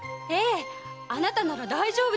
あなたなら大丈夫です。